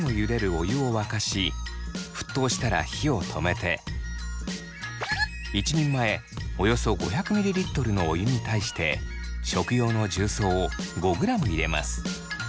お湯を沸かし沸騰したら火を止めて１人前およそ５００ｍｌのお湯に対して食用の重曹を５ｇ入れます。